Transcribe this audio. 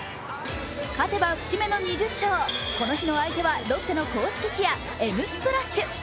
勝てば節目の２０勝、この日の相手はロッテの公式チア、エムスプラッシュ。